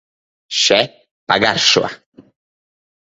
Še, pagaršo!